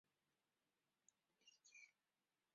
因此辉钼矿易解理。